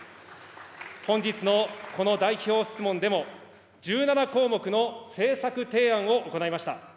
本日のこの代表質問でも、１７項目の政策提案を行いました。